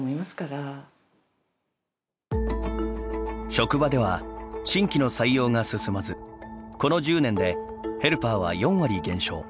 職場では新規の採用が進まずこの１０年でヘルパーは４割減少。